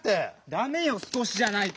ダメよ「すこし」じゃないと。